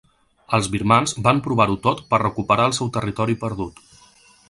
Els birmans van provar-ho tot per recuperar el seu territori perdut.